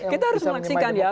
kita harus melaksikan ya